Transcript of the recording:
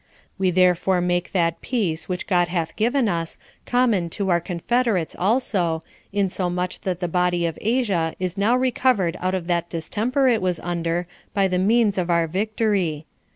We therefore make that peace which God hath given us common to our confederates also, insomuch that the body of Asia is now recovered out of that distemper it was under by the means of our victory.